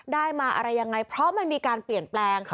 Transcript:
ได้มาอะไรยังไงเพราะมันมีการเปลี่ยนแปลง